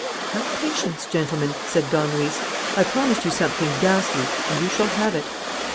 "Have patience, gentlemen," said Don Luis. "I promised you something ghastly; and you shall have it."